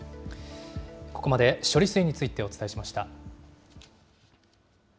ここまで処理水についてお伝えしました。